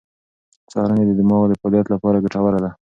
سهارنۍ د دماغ د فعالیت لپاره ګټوره ده.